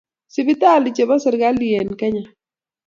sipitalli chebo serkali en kenya